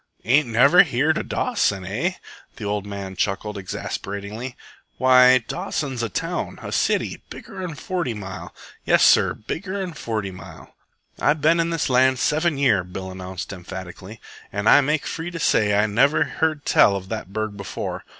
"Ain't never heered of Dawson, eh?" The old man chuckled exasperatingly. "Why, Dawson's a town, a city, bigger'n Forty Mile. Yes, sir, bigger'n Forty Mile." "I've ben in this land seven year," Bill announced emphatically, "an' I make free to say I never heard tell of the burg before.